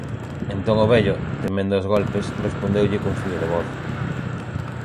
Entón o vello, temendo os golpes, respondeulle cun fío de voz: